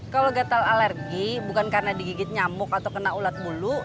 kalau gatal alergi bukan karena digigit nyamuk atau kena ulat bulu